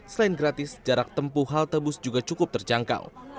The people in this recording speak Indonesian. selain gratis jarak tempuh halte bus juga cukup terjangkau